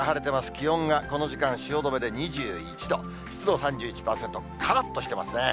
気温がこの時間、汐留で２１度、湿度３１％、からっとしてますね。